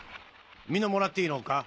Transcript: みんなもらっていいのか？